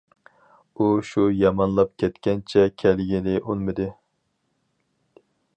ئۇ شۇ يامانلاپ كەتكەنچە كەلگىلى ئۇنىمىدى.